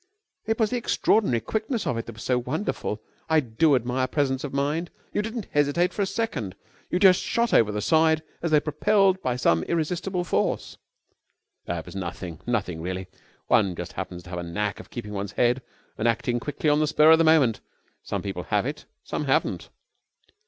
"It was the extraordinary quickness of it that was so wonderful. I do admire presence of mind. You didn't hesitate for a second. You just shot over the side as though propelled by some irresistible force!" "It was nothing, nothing really. One just happens to have the knack of keeping one's head and acting quickly on the spur of the moment. Some people have it, some haven't."